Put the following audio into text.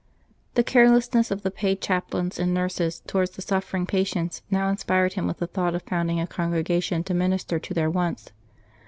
The carelessness of the paid chaplains and nurses towards the suffering patients now inspired him with the thought of founding a congregation to minister to their wants.